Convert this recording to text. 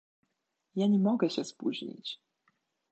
"Ja nie mogę się spóźnić."